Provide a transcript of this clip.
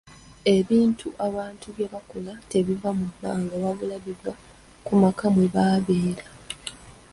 Ebintu abantu bye bakola tebiva mu bbanga wabula biva mu maka mwe babeera.